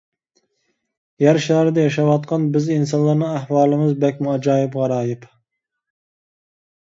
يەر شارىدا ياشاۋاتقان بىز ئىنسانلارنىڭ ئەھۋالىمىز بەكمۇ ئاجايىپ-غارايىپ.